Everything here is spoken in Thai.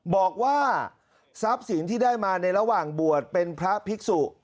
บอกว่าทรัพย์สินที่ได้มาในระหว่างบวชเป็นพระภิกษุ